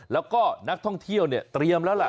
แล้วก็นักท่องเที่ยวเนี่ยเตรียมแล้วล่ะ